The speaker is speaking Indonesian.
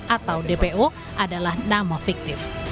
atau dpo adalah nama fiktif